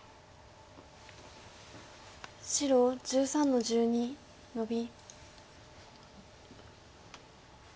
白１３の十二ノビ。